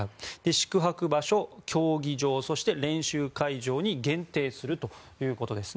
宿泊場所、競技場、練習会場に限定するということです。